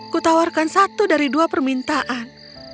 kutawarkan satu dari dua permintaan